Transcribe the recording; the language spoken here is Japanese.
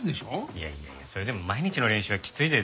いやいやいやそれでも毎日の練習はきついですよ。